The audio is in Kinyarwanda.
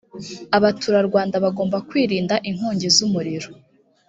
abaturarwanda bagomba kwirinda inkongi z ‘umuriro.